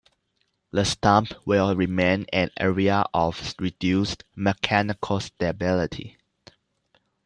The stump will remain an area of reduced mechanical stability.